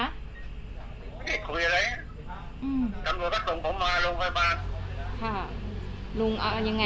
ไม่ได้คุยอะไรจำนวนก็ส่งผมมาลุงไปบ้าน